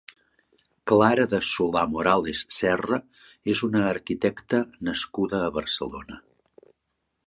Clara de Solà-Morales Serra és una arquitecta nascuda a Barcelona.